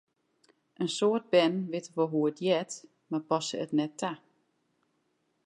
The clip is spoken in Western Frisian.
In soad bern witte wol hoe't it heart, mar passe it net ta.